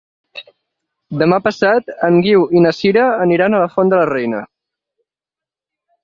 Demà passat en Guiu i na Sira aniran a la Font de la Reina.